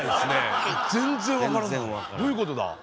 どういうことだ？